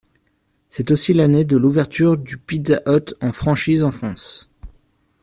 C’est aussi l’année de l’ouverture du Pizza Hut en franchise en France.